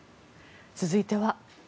続いては。